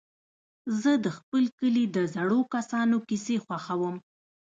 زه د خپل کلي د زړو کسانو کيسې خوښوم.